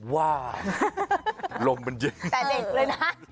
ว่าลมมันเย็นแต่เด็กเลยนะ